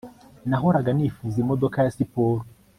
Nahoraga nifuza imodoka ya siporo